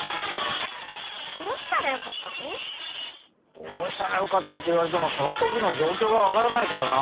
どうしたらよかったっていわれてもそのときのじょうきょうがわからないからなあ。